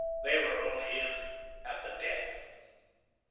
They were only in at the death.